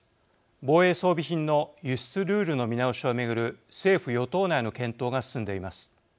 防衛装備品の輸出ルールの見直しを巡る政府・与党内の検討が進んでいます。